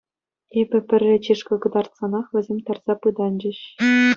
Эпӗ пӗрре чышкӑ кӑтартсанах, вӗсем тарса пытанчӗҫ.